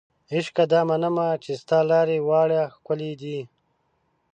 عشقه دا منمه چې ستا لارې واړې ښکلې دي